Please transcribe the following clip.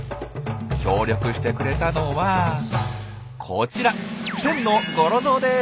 協力してくれたのはこちらテンのゴロゾウです。